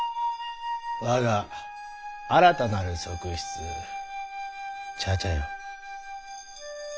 我が新たなる側室茶々よ。